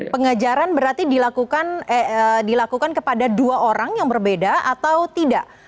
pengejaran berarti dilakukan kepada dua orang yang berbeda atau tidak